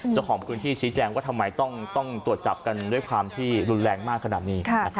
เจ้าของพื้นที่ชี้แจงว่าทำไมต้องตรวจจับกันด้วยความที่รุนแรงมากขนาดนี้